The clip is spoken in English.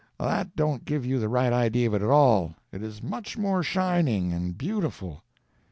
That don't give you the right idea of it at all—it is much more shining and beautiful."